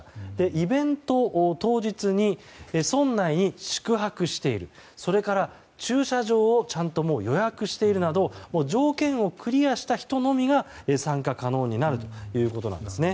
イベント当日に村内に宿泊しているそれから駐車場をちゃんと予約しているなど条件をクリアした人のみが参加可能になるということなんです。